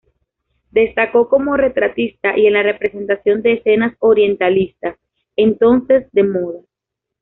Destacó como retratista y en la representación de escenas orientalistas, entonces de moda.